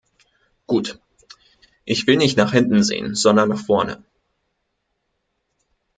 Gut, ich will nicht nach hinten sehen, sondern nach vorne.